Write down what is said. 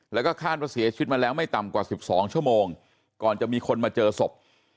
แล้วก็คาดว่าเสียชีวิตมาแล้วไม่ต่ำกว่า๑๒ชั่วโมงก่อนจะมีคนมาเจอศพ